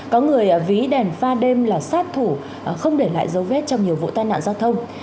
có người ví đèn pha đêm là sát thủ không để lại dấu vết trong nhiều vụ tai nạn giao thông